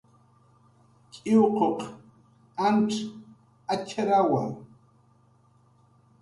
tx'iwquq antz atxrawa